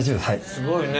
すごいね。